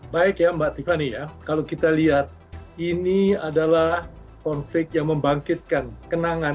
baik ya mbak tiffany ya kalau kita lihat ini adalah konflik yang membangkitkan kenangan